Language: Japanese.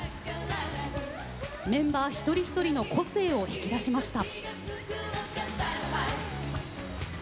メンバー、一人一人の個性を引き出しました。